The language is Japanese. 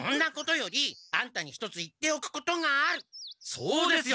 そうですよ。